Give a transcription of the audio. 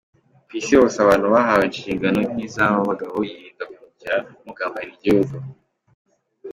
Kw’isi hose abantu bahawe inshingano nkizaba bagabo yirinda guhemuka no kugambanira igihugu.